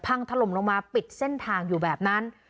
ถล่มลงมาปิดเส้นทางอยู่แบบนั้น